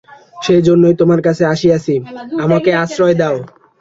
সেইজন্যই তোমার কাছে আসিয়াছি, আমাকে আশ্রয় দাও।